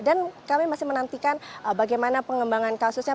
dan kami masih menantikan bagaimana pengembangan kasusnya